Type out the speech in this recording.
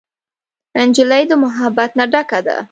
نجلۍ د محبت نه ډکه ده.